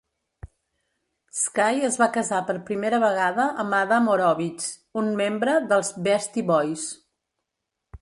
Skye es va casar per primera vegada amb Adam Horovitz, un membre dels Beastie Boys.